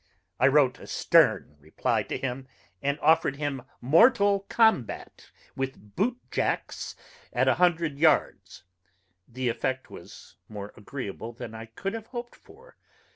I wrote a stern reply to him, and offered him mortal combat with boot jacks at a hundred yards. The effect was more agreeable than I could have hoped for.